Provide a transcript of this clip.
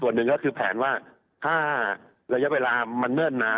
ส่วนหนึ่งก็คือแผนว่าถ้าระยะเวลามันเนิ่นนาน